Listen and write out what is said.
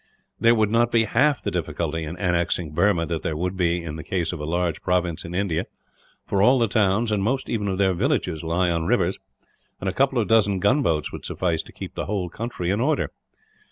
"There would not be half the difficulty in annexing Burma that there would be, in the case of a large province in India; for all the towns, and most even of their villages, lie on rivers, and a couple of dozen gunboats would suffice to keep the whole country in order.